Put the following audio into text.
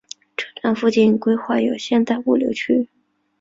车站附近规划有现代物流区。